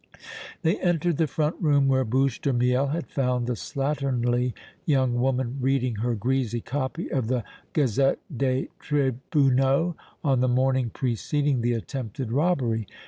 They entered the front room where Bouche de Miel had found the slatternly young woman reading her greasy copy of the Gazette des Tribunaux on the morning preceding the attempted robbery.